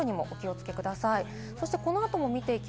突風などにもお気をつけください。